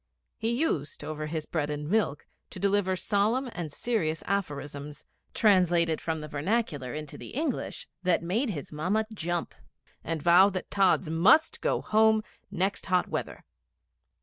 He used, over his bread and milk, to deliver solemn and serious aphorisms, translated from the vernacular into the English, that made his Mamma jump and vow that Tods must go Home next hot weather.